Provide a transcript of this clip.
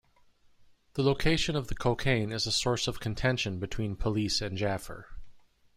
The location of the cocaine is a source of contention between police and Jaffer.